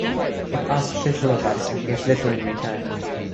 It asks little of us, and gives little in return.